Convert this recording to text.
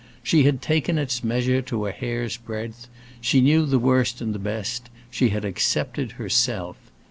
She had taken its measure to a hair's breadth, she knew the worst and the best, she had accepted herself.